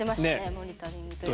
モニタリングというか。